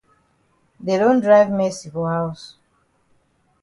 Dey don drive Mercy for haus.